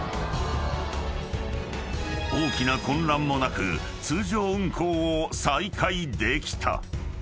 ［大きな混乱もなく通常運行を再開できた］